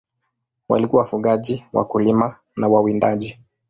Walikuwa wafugaji, wakulima na wawindaji.